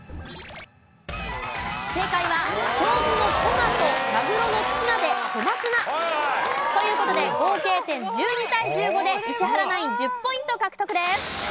正解は将棋の駒とまぐろのツナで小松菜。という事で合計点１２対１５で石原ナイン１０ポイント獲得です！